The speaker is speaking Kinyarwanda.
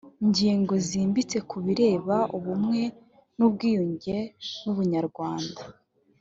ngingo zimbitse ku bireba ubumwe n ubwiyunge n ubunyarwanda